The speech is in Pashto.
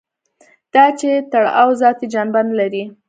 دا چې تړاو ذاتي جنبه نه لري.